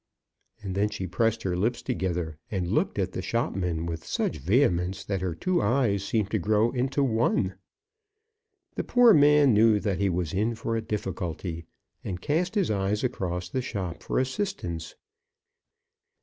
And then she pressed her lips together, and looked at the shopman with such vehemence that her two eyes seemed to grow into one. The poor man knew that he was in a difficulty, and cast his eyes across the shop for assistance.